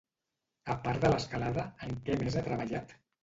A part de l'escalada, en què més ha treballat?